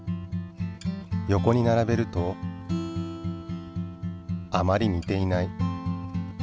横に並べるとあまり似ていない。